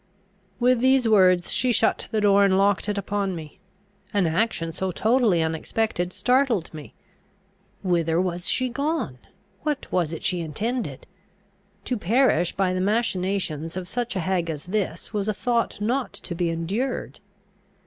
With these words she shut the door, and locked it upon me. An action so totally unexpected startled me. Whither was she gone? What was it she intended? To perish by the machinations of such a hag as this was a thought not to be endured.